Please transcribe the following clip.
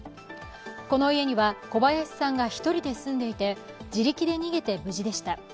この家には小林さんが１人で住んでいて自力で逃げて無事でした。